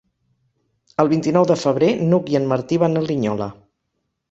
El vint-i-nou de febrer n'Hug i en Martí van a Linyola.